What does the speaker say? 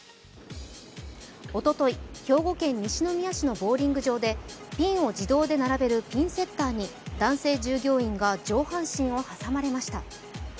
おととい、兵庫県西宮市のボウリング場で、ピンを自動で並べるピンセッターに男性従業員が上半身を挟まれました。